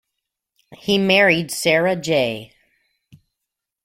He married Sara J.